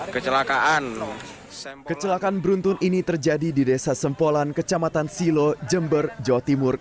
kecelakaan kecelakaan beruntun ini terjadi di desa sempolan kecamatan silo jember jawa timur